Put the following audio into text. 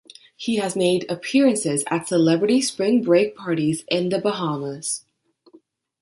He has made appearances at celebrity Spring Break parties in the Bahamas.